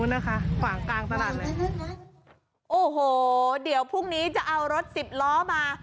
นะคะขวางกลางตลาดเลยโอ้โหเดี๋ยวพรุ่งนี้จะเอารถสิบล้อมา